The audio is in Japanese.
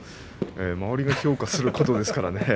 周りが評価することですからね。